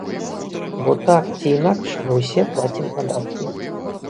Бо так ці інакш мы ўсе плацім падаткі.